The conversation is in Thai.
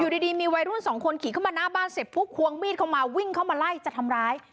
ดีมีวัยรุ่นสองคนขี่เข้ามาหน้าบ้านเสร็จปุ๊บควงมีดเข้ามาวิ่งเข้ามาไล่จะทำร้าย